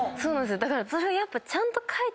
だからそれをやっぱ。